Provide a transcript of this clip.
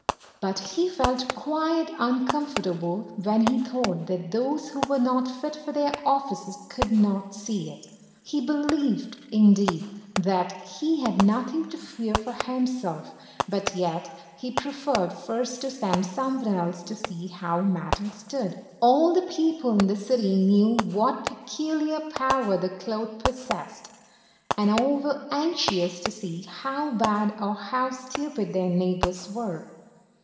But he felt quite uncomfortable when he thought that those who were not fit for their offices could not see it. He believed, indeed, that he had nothing to fear for himself, but yet he preferred first to send some one else to see how matters stood. All the people in the city knew what peculiar power the cloth possessed, and all were anxious to see how bad or how stupid their neighbors were.